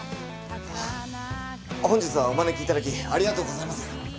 本日はお招き頂きありがとうございます。